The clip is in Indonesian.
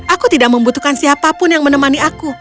aku tidak membutuhkan siapapun yang menemani aku